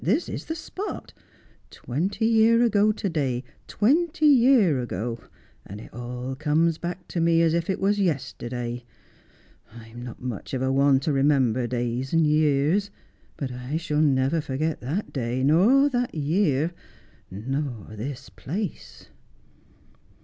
This is the spot. Twenty year ago, to day — twenty year ago — and it all comes back to me as if it was yesterday. L'm not much of a one to remember days and years, but I shall never forget that day, nor that year, nor this place.'